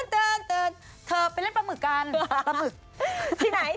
เธอไปเล่นปลาหมึกกัน